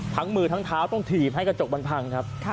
ทั้งมือทั้งเท้าต้องถีบให้กระจกมันพังครับ